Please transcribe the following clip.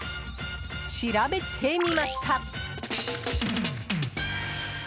調べてみました。